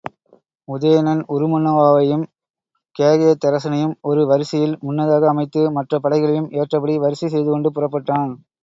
உதயணன், உருமண்ணுவாவையும் கேகயத் தரசனையும் ஒரு வரிசையில் முன்னாக அமைத்து மற்றப் படைகளையும் ஏற்றபடி வரிசை செய்துகொண்டு புறப்பட்டான்.